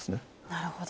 なるほど。